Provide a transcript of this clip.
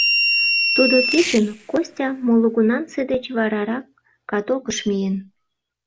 Тудо кечын Костя молыгунамсе деч варарак катокыш миен.